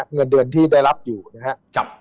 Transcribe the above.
เงินเดือนที่ได้รับอยู่นะครับ